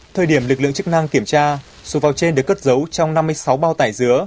thời điểm lực lượng chức năng kiểm tra số vọc trên được cất giấu trong năm mươi sáu bao tải dứa